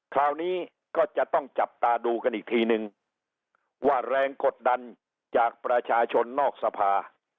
คราวนี้ก็จะต้องจับตาดูกันอีกทีนึงว่าแรงกดดันจากประชาชนนอกสภา